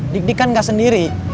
dik dik kan gak sendiri